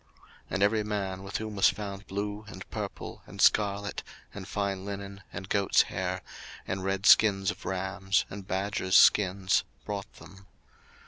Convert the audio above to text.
02:035:023 And every man, with whom was found blue, and purple, and scarlet, and fine linen, and goats' hair, and red skins of rams, and badgers' skins, brought them.